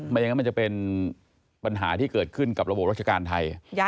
อย่างนั้นมันจะเป็นปัญหาที่เกิดขึ้นกับระบบราชการไทย